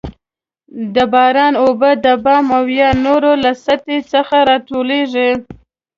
د باران اوبه د بام او یا نورو له سطحې څخه راټولیږي.